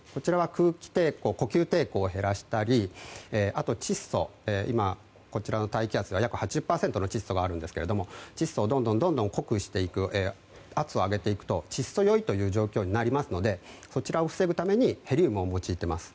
空気抵抗、呼吸抵抗を減らしたりあと窒素こちらの大気圧が約８０％の窒素があるんですけども窒素をどんどん濃くしていく圧を上げていくと窒素酔いという状況になりますのでそちらを防ぐためにヘリウムを用いてます。